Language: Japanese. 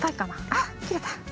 あっきれた。